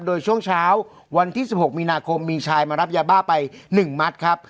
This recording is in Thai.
โดยช่วงเช้าวันที่๑๖มีนาคมมีชายมารับยาบ้าไป๑มัดครับ